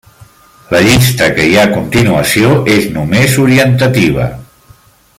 La llista que hi ha a continuació és només orientativa.